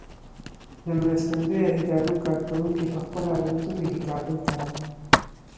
د مرستندویه ادارو کارکوونکي په خپلو الوتکو کې کابل ته راغلل.